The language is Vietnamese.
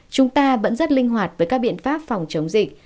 chúng ta vẫn rất linh hoạt với các biện pháp phòng chống dịch